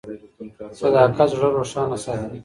صداقت زړه روښانه ساتي.